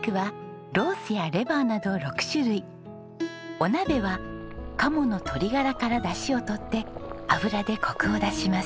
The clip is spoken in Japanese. お鍋は鴨のとりがらからだしを取って脂でコクを出します。